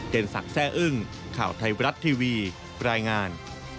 เจนสักแทร่อึ้งข่าวไทยวรัฐทีวีรายงาน